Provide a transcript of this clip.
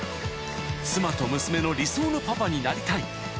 ［妻と娘の理想のパパになりたい］